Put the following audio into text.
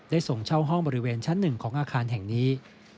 ส่งเช่าห้องบริเวณชั้น๑ของอาคารแห่งนี้